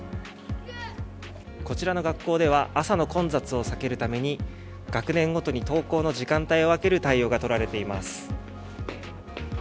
こちらの学校では、朝の混雑を避けるために、学年ごとに登校の時間帯を分ける対応が取られています。